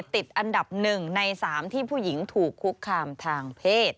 ติดอันดับ๑ใน๓ที่ผู้หญิงถูกคุกคามทางเพศ